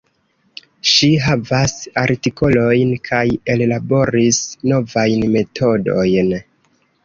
Ŝi havas artikolojn, kaj ellaboris novajn metodojn.